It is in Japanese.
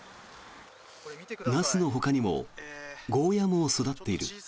ナスのほかにもゴーヤも育っている。